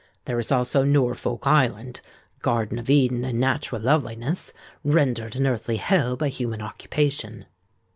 There is also Norfolk Island—a Garden of Eden in natural loveliness, rendered an earthly hell by human occupation.